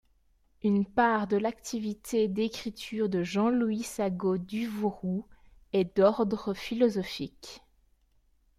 Une part de l'activité d'écriture de Jean-Louis Sagot-Duvauroux est d'ordre philosophique.